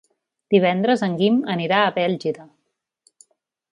Divendres en Guim anirà a Bèlgida.